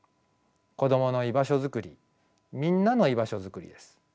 子供の居場所づくりみんなの居場所づくりです。